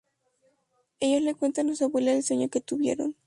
Ellos le cuentan a su abuela el sueño que tuvieron.